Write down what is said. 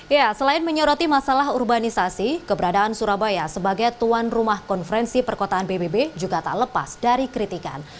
ya selain menyoroti masalah urbanisasi keberadaan surabaya sebagai tuan rumah konferensi perkotaan pbb juga tak lepas dari kritikan